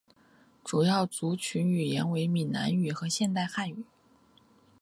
主要族群语言为闽南语和现代汉语。